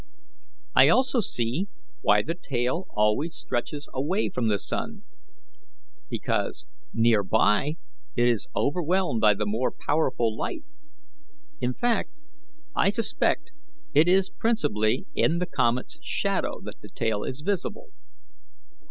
I also see why the tail always stretches away from the sun, because near by it is overwhelmed by the more powerful light; in fact, I suspect it is principally in the comet's shadow that the tail is visible.